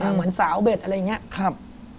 เหมือนสาวเบ็ดอะไรอย่างนี้